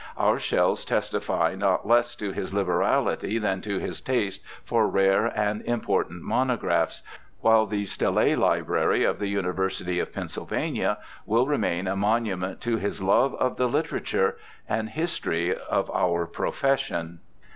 Our shelves testify not less to his liberality than to his taste for rare and important mono graphs, while the Stille Library of the University of Pennsylvania will remain a monument to his love of the literature and history of our profession.